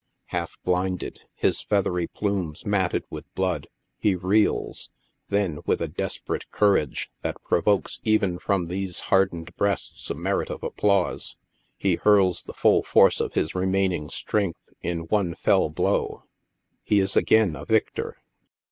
Half blinded, his feathery plumes matted with blood, he reels, then with a desperate courage, that provokes even from these hardened breasts a merit of applause, he hurls the full force of his remaining strength in one fell blow. He is again a victor